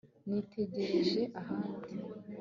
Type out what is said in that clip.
nitegereje ahandi